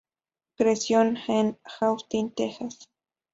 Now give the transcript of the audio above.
Creció en Austin, Texas.